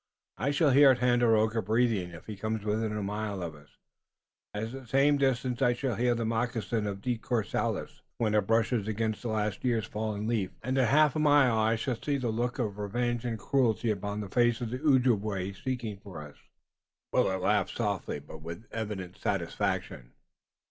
"I shall hear Tandakora breathing if he comes within a mile of us, at the same distance I shall hear the moccasin of De Courcelles, when it brushes against last year's fallen leaf, and at half a mile I shall see the look of revenge and cruelty upon the face of the Ojibway seeking for us." Willet laughed softly, but with evident satisfaction.